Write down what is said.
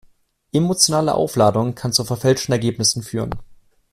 Emotionale Aufladung kann zu verfälschten Ergebnissen führen.